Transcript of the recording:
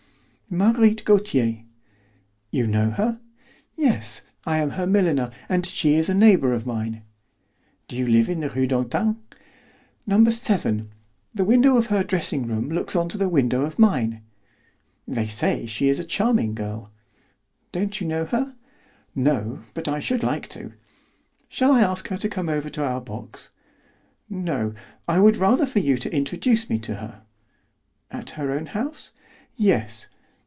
"Marguerite Gautier." "You know her?" "Yes, I am her milliner, and she is a neighbour of mine." "Do you live in the Rue d'Antin?" "No. 7. The window of her dressing room looks on to the window of mine." "They say she is a charming girl." "Don't you know her?" "No, but I should like to." "Shall I ask her to come over to our box?" "No, I would rather for you to introduce me to her." "At her own house?" "Yes.